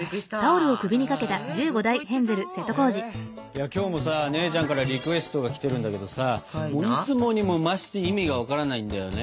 いや今日もさ姉ちゃんからリクエストが来てるんだけどさもういつもにも増して意味が分からないんだよね。